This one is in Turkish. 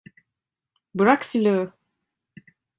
Bırak silahı!